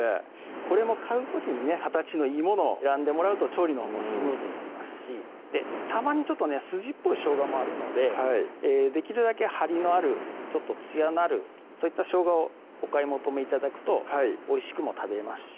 これも買う時にね形のいいものを選んでもらうと調理のほうもスムーズになりますしたまにちょっとね筋っぽいしょうがもあるのでできるだけ張りのあるちょっとつやのあるそういったしょうがをお買い求め頂くとおいしくも食べれますし